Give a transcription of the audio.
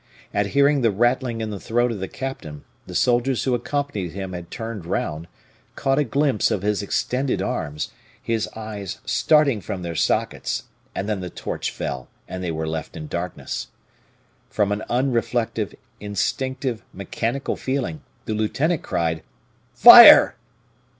At hearing the rattling in the throat of the captain, the soldiers who accompanied him had turned round, caught a glimpse of his extended arms, his eyes starting from their sockets, and then the torch fell and they were left in darkness. From an unreflective, instinctive, mechanical feeling, the lieutenant cried: "Fire!"